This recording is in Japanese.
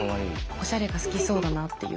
オシャレが好きそうだなっていう。